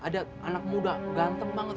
ada anak muda ganteng banget